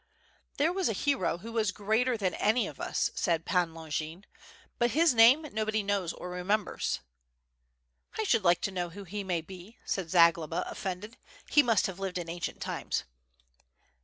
"There was a hero who was greater than any of us, said Pan Longin, "but his name nobody knows or remembers." "I should like to know who he may be,' said Zagloba, offended, "he must have lived in ancient times."